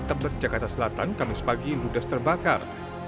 tempat jakarta selatan kamis pagi lugas terbakar